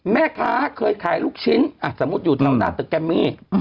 แม่ค้าเคยขายลูกชิ้นสมมุติอยู่แถวหน้าตึกแกมมี่